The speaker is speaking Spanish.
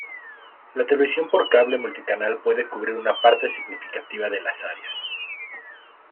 La televisión por cable multicanal puede cubrir una parte significativa de las áreas.